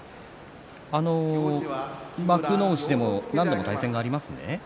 幕内でも何度も対戦がありますよね。